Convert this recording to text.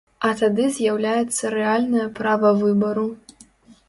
А тады з'яўляецца рэальнае права выбару.